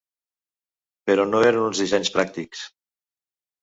Però no eren uns dissenys pràctics.